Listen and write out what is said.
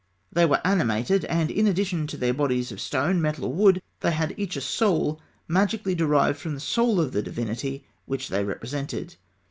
They were animated, and in addition to their bodies of stone, metal, or wood, they had each a soul magically derived from the soul of the divinity which they represented.